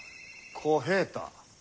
小平太。